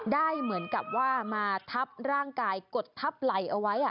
ได้เหมือนกับว่ามาทับร่างกายกดทับไหล่เอาไว้